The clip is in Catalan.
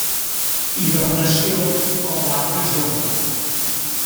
Hibernació com larva jove.